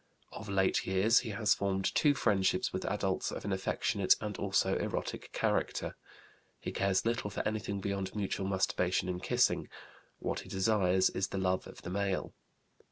Of late years he has formed two friendships with adults of an affectionate and also erotic character. He cares little for anything beyond mutual masturbation and kissing; what he desires is the love of the male.